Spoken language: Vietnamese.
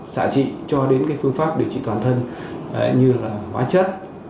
xã trị cho đến phương pháp điều trị toàn thân như là hóa chất